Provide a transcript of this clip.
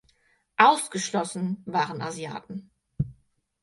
Ausgeschlossen waren Asiaten.